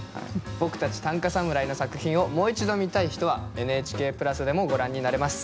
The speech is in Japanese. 僕たち短歌侍の作品をもう一度見たい人はＮＨＫプラスでもご覧になれます。